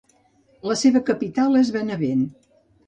La seva capital és Benevent.